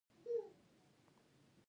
د سترګو د خارښ لپاره د څه شي اوبه وکاروم؟